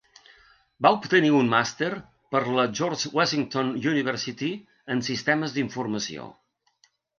Va obtenir un màster per la George Washington University en Sistemes d'Informació.